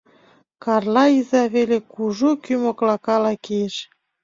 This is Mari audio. Карла иза веле кужу кӱ моклакала кийыш.